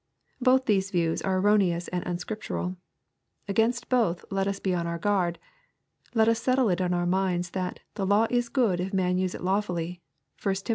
Both these views are erroneous and unscrip tural. Against both let us be on our guard. Let us settle it in our minds that " the law is good if man use it lawfully." (1 Tiin.